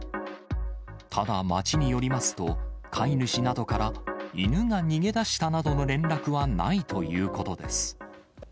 ただ、町によりますと、飼い主などから犬が逃げ出したなどの連絡はないということです。